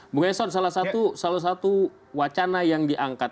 bung eson salah satu wacana yang diangkat